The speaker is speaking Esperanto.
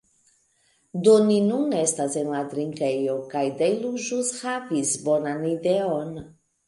Do ni nun estas en la drinkejo, kaj Dejlo ĵus havis bonan ideon.